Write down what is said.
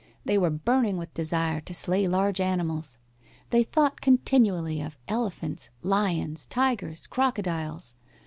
They were burning with the desire to slay large animals. They thought continually of elephants, lions, tigers, crocodiles.